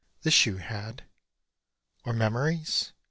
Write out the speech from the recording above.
This you had. Or memories?